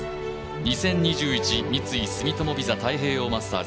２０２１三井住友ＶＩＳＡ太平洋マスターズ。